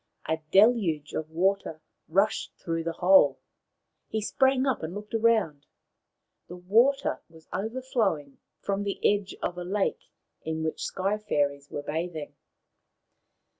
A deluge of water rushed through the hole. He sprang up and looked round. The water was overflowing from the edge of a lake in which Sky fairies were bathing.